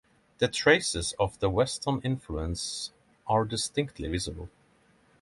The traces of the Western influence are distinctly visible.